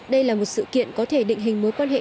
đây là một sự kiện có thể định hình mối quan hệ